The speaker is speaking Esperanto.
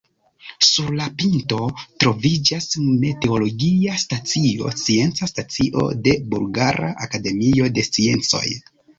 Sur la pinto troviĝas meteologia stacio, scienca stacio de Bulgara Akademio de Sciencoj.